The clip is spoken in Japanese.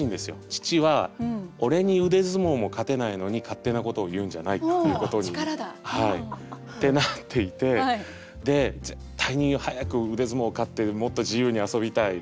父は「俺に腕相撲も勝てないのに勝手なことを言うんじゃない！」っていうことになっていて絶対に早く腕相撲勝ってもっと自由に遊びたい。